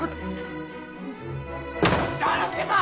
丈之助さん！